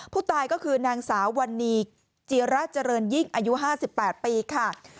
ผู้ตายก็คือนางสาววันนี้จีระเจริญยิ่งอายุ๕๘ปีค่ะ